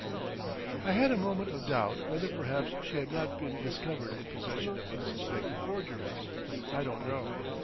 I had a moment of doubt whether perhaps she had not been discovered in possession of unsuspected forgeries. I don't know.